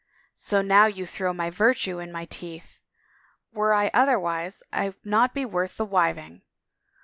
" So now you throw my virtue in my teeth !... Were I otherwise Fd not be worth the wiving!